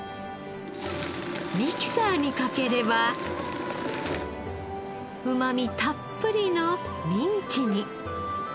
ミキサーにかければうまみたっぷりのミンチに。